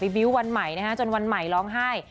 บิวต์วันใหม่นะฮะจนวันใหม่ร้องไห้